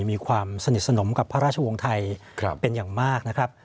มีความสนิทสนมกับพระราชวงศ์ไทยเป็นอย่างมากนะครับ